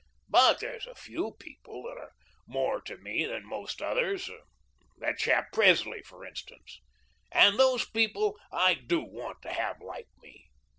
But there's a few people that are more to me than most others that chap Presley, for instance and those people I DO want to have like me.